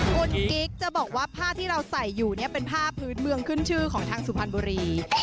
คุณกิ๊กจะบอกว่าผ้าที่เราใส่อยู่เนี่ยเป็นผ้าพื้นเมืองขึ้นชื่อของทางสุพรรณบุรี